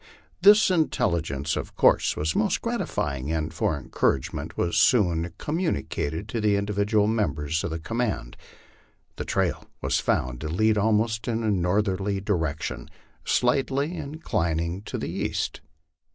This intelligence, of course, was most gratifying, and for encouragement was soon communicated to the individual members of the command. The trail was found to lead almost in a northerly direction, slightly inclining to the east.